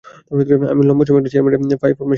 আমি লম্বা একটা সময় চেয়ারম্যানের ফাই-ফরমায়েশ খেটেছি।